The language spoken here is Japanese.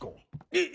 えっ！